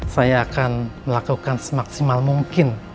saya akan melakukan semaksimal mungkin